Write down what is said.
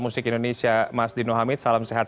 musik indonesia mas dino hamid salam sehat